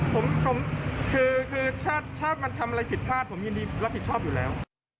ผมคือถ้ามันทำอะไรผิดพลาดผมยินดีรับผิดชอบอยู่แล้ว